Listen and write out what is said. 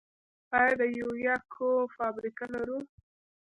آیا د یوریا کود فابریکه لرو؟